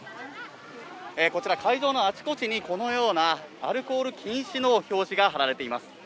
こちら、会場のあちこちに、このようなアルコール禁止の表示が貼られています。